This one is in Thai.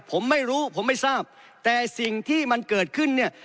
ผมไม่รู้ผมไม่ทราบแต่สิ่งที่มันเกิดขึ้นเนี่ย